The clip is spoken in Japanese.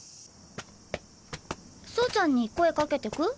走ちゃんに声かけてく？